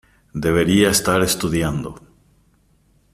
Debería estar estudiando.